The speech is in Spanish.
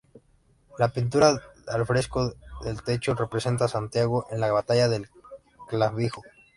La pintura al fresco del techo representa a "Santiago en la batalla del Clavijo.